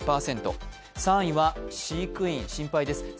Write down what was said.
３位は飼育員、心配です。